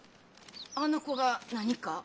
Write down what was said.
あの子が何か？